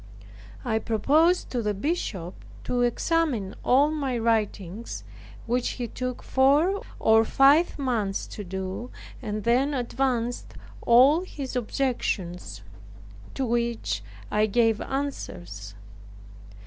I proposed to the bishop to examine all my writings, which he took four or five months to do, and then advanced all his objections; to which I gave answers.